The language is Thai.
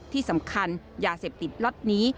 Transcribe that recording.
ที่สำคัญยาเสพติดล็อตนี้